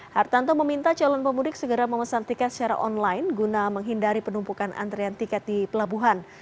hartanto meminta calon pemudik segera memesan tiket secara online guna menghindari penumpukan antrian tiket di pelabuhan